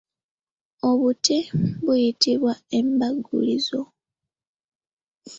Obuti buyitibwa embagulizo.